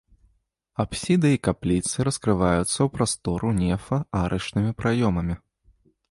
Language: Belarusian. Апсіда і капліцы раскрываюцца ў прастору нефа арачнымі праёмамі.